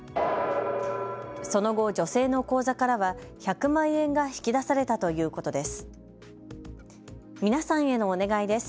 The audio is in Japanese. その後、女性の口座からは１００万円が引き出されたということです。